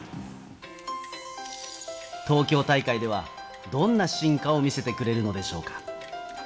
東京大会では、どんな進化を見せてくれるのでしょうか。